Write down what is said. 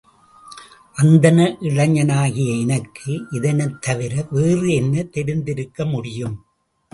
அந்தண இளைஞனாகிய எனக்கு இதனைத் தவிர வேறு என்ன தெரிந்திருக்க முடியும்?